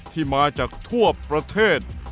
ที่มาจากทั่วประเทศ